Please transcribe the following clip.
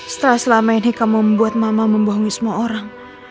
setelah selama ini kamu membuat mama membohongi semua orang